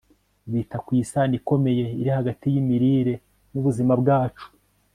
bita ku isano ikomeye iri hagati y'imirire n'ubuzima bwacu